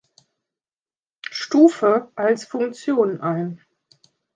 Stufe, als Funktionen ein.